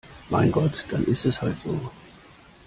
Mein Gott, dann ist es halt so!